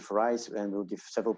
kami akan melakukan pemberian